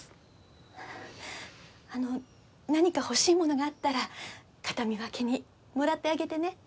あの何か欲しいものがあったら形見分けにもらってあげてね。